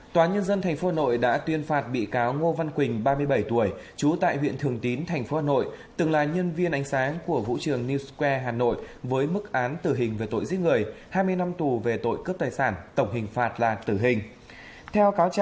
các bạn hãy đăng ký kênh để ủng hộ kênh của chúng mình nhé